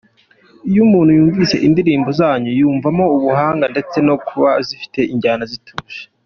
Iyo umuntu yumvise indirimbo zanyu, yumvamo ubuhanga ndetse no kuba zifite injyana zituje.